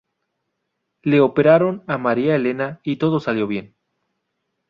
Le operaron a María Elena y todo salió bien.